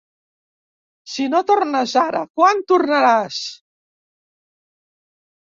Si no tornes ara, quan tornaràs?